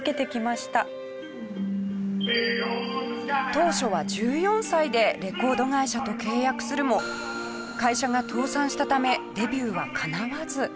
当初は１４歳でレコード会社と契約するも会社が倒産したためデビューはかなわず。